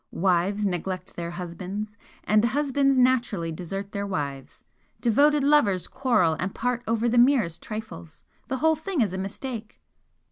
Wives neglect their husbands, and husbands naturally desert their wives. Devoted lovers quarrel and part over the merest trifles. The whole thing is a mistake."